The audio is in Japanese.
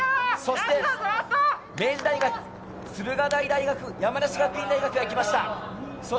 明治大学、駿河台大学、山梨学院大学が行きました。